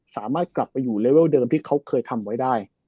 สามารถกลับไปอยู่เลเวลเดิมที่เขาเคยทำไว้ได้